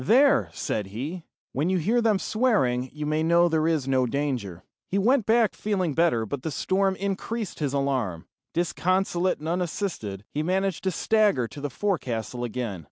"There," said he, "when you hear them swearing, you may know there is no danger." He went back feeling better, but the storm increased his alarm. Disconsolate and unassisted, he managed to stagger to the forecastle again.